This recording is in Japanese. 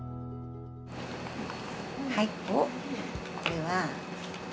はい。